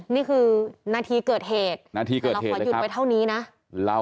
นี่คือนาทีเกิดเหตุแต่เราขอหยุดไปเท่านี้นะ